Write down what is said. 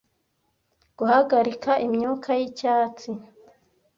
guhagarika imyuka y'icyatsi